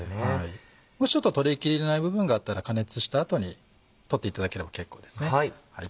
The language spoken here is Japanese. もしちょっと取り切れない部分があったら加熱した後に取っていただければ結構ですね。